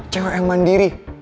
cewek yang mandiri